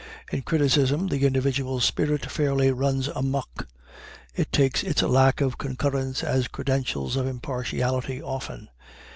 In criticism the individual spirit fairly runs a muck; it takes its lack of concurrence as credentials of impartiality often.